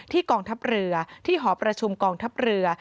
กองทัพเรือที่หอประชุมกองทัพเรือ